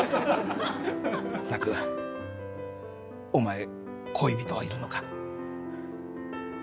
サクお前恋人はいるのか？